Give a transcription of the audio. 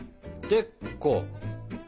でこう。